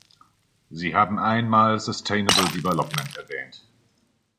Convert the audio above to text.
Sie haben einmal sustainable development erwähnt.